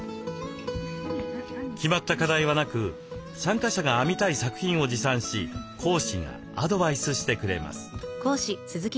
決まった課題はなく参加者が編みたい作品を持参し講師がアドバイスしてくれます。